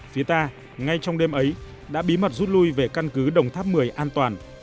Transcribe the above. phía ta ngay trong đêm ấy đã bí mật rút lui về căn cứ đồng tháp một mươi an toàn